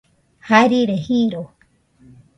Jarire jiro.